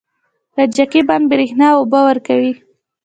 کجکي بند بریښنا او اوبه ورکوي